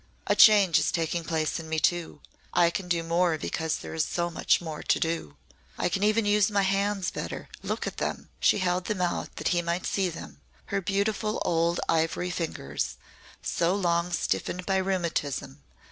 A change is taking place in me too. I can do more because there is so much more to do. I can even use my hands better. Look at them." She held them out that he might see them her beautiful old ivory fingers, so long stiffened by rheumatism.